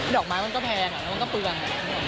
อกไม้มันก็แพงแล้วมันก็เปลือง